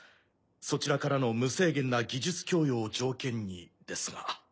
そちらからの無制限な技術供与を条件にですが。